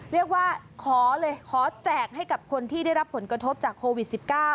เรียกว่าขอเลยขอแจกให้กับคนที่ได้รับผลกระทบจากโควิด๑๙